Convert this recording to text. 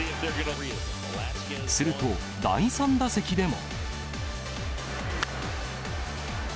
すると、第３打席でも。